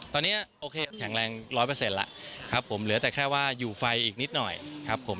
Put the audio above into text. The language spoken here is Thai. ตอนนี้โอเคแข็งแรง๑๐๐แล้วครับผมเหลือแต่แค่ว่าอยู่ไฟอีกนิดหน่อยครับผม